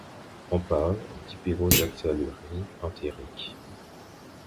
On parle d'hyperoxalurie entérique.